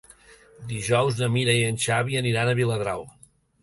Dijous na Mira i en Xavi aniran a Viladrau.